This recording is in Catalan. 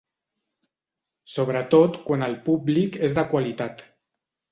Sobretot quan el públic és de qualitat.